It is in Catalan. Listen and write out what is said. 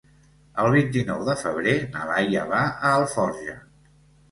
El vint-i-nou de febrer na Laia va a Alforja.